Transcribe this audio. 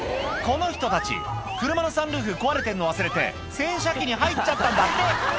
この人たち車のサンルーフ壊れてるの忘れて洗車機に入っちゃったんだって